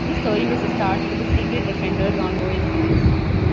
This story was the start for the "Secret Defenders" ongoing series.